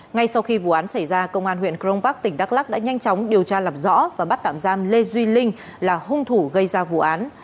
ngay sau khi vụ án xảy ra công an huyện crong park tỉnh đắk lắc đã nhanh chóng điều tra làm rõ và bắt tạm giam lê duy linh là hung thủ gây ra vụ án